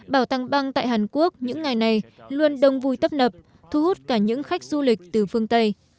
bảo tàng băng tại hàn quốc những ngày này luôn đông vui tấp nập thu hút cả những khách du lịch từ phương tây